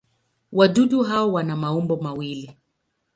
Wadudu hawa wana maumbo mawili.